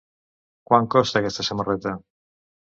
Quant costa aquesta samarreta?